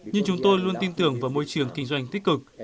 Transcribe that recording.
nhưng chúng tôi luôn tin tưởng vào môi trường kinh doanh tích cực